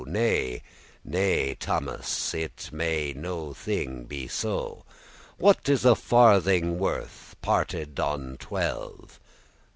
Nay, nay, Thomas, it may no thing be so. What is a farthing worth parted on twelve?